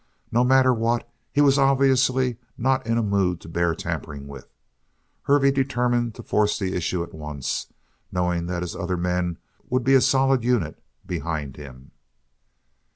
No matter what, he was obviously not in a mood to bear tampering with. Hervey determined to force the issue at once, knowing that his other men would be a solid unit behind him.